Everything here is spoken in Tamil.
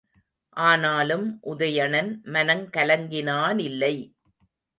ஆனாலும் உதயணன் மனங் கலங்கினானில்லை.